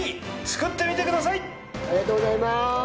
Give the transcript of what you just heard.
ありがとうございます！